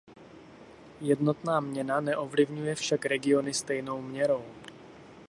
Jednotná měna neovlivňuje však regiony stejnou měrou.